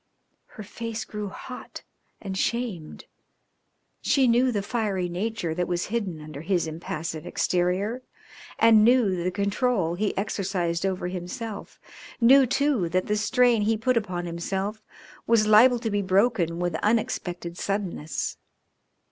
Her face grew hot and shamed. She knew the fiery nature that was hidden under his impassive exterior and knew the control he exercised over himself, knew, too, that the strain he put upon himself was liable to be broken with unexpected suddenness.